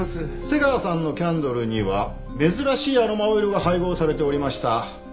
瀬川さんのキャンドルには珍しいアロマオイルが配合されておりました。